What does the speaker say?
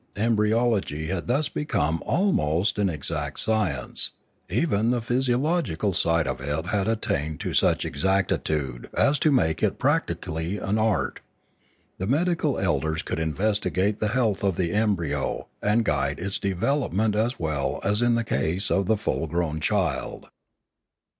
Embryology had thus become almost an exact science; even the physiological side of it had attained to such exactitude as to make it practically an art. The medi cal elders could investigate the health of the embryo and guide its development as well as in the case of the full grown child.